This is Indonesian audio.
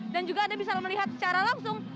dan juga anda bisa melihat secara langsung